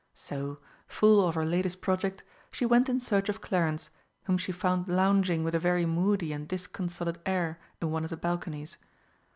So, full of her latest project, she went in search of Clarence, whom she found lounging with a very moody and disconsolate air in one of the balconies.